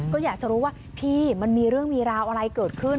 ก็อยากจะรู้ว่าพี่มันมีเรื่องมีราวอะไรเกิดขึ้น